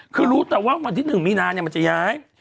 คือรู้แต่ว่าวันที่๑มีนามันจะย้าย